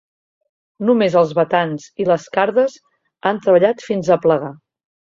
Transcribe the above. Només els batans i les cardes han treballat fins a plegar.